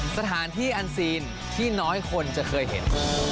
สถานที่อันซีนที่น้อยคนจะเคยเห็น